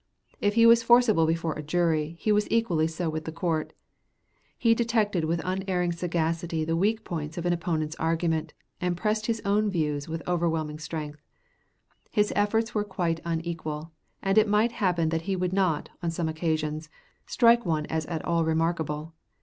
If he was forcible before a jury, he was equally so with the Court. He detected with unerring sagacity the weak points of an opponent's argument, and pressed his own views with overwhelming strength. His efforts were quite unequal, and it might happen that he would not, on some occasions, strike one as at all remarkable.